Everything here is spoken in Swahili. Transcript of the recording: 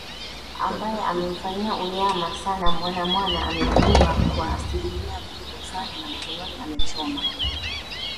ambae amemfanyia unyama sana mwana mwana ameuguwa kwa asilimia kubwa sana mkononi amemchoma